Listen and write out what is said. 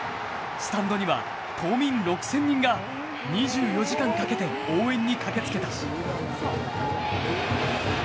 スタンドには、島民６０００人が２４時間かけて応援に駆けつけた。